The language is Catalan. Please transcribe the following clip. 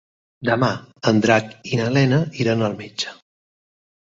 Demà en Drac i na Lena iran al metge.